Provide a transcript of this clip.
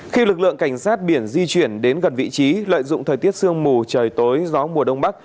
khi lực lượng cảnh sát biển di chuyển đến gần vị trí lợi dụng thời tiết sương mù trời tối gió mùa đông bắc